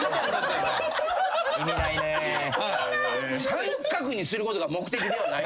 三角にすることが目的ではないんやもん。